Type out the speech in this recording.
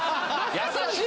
優しい。